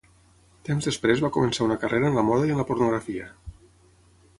Temps després va començar una carrera en la moda i en la pornografia.